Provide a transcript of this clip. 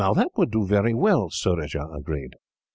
"That would do very well," Surajah agreed.